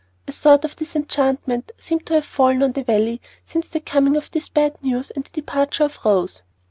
A sort of disenchantment seemed to have fallen on the Valley since the coming of this bad news and the departure of Rose.